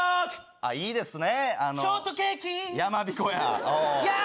あっ、いいですね。